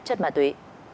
chất ma túy